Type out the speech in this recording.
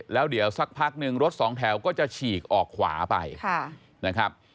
แล้วเดี๋ยวสักพักหนึ่งรถสองแถวก็จะฉีกออกขวาไปนะครับ